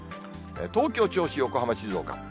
東京、銚子、横浜、静岡。